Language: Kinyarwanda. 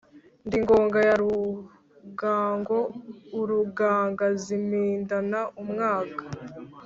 Ndi Ngoga ya Rugango, urugangazi mpindana umwaga.